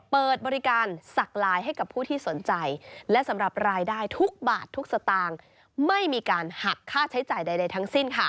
เปิดบริการสักลายให้กับผู้ที่สนใจและสำหรับรายได้ทุกบาททุกสตางค์ไม่มีการหักค่าใช้จ่ายใดทั้งสิ้น